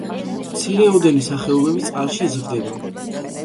მცირეოდენი სახეობები წყალში იზრდება.